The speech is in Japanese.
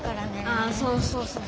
ああそうそうそうそう。